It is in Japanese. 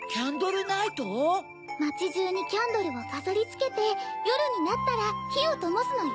まちじゅうにキャンドルをかざりつけてよるになったらひをともすのよ。